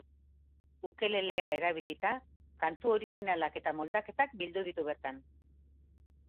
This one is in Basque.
Ukelelea erabilita, kantu originalak eta moldaketak bildu ditu bertan.